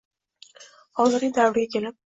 hozirgi davrga kelib